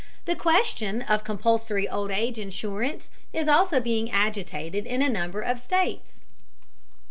The question of compulsory old age insurance is also being agitated in a number of states.